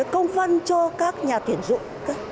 công văn cho các nhà tuyển dụng